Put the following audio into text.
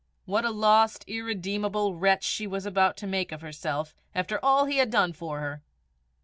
What a lost, irredeemable wretch was she about to make of herself after all he had done for her!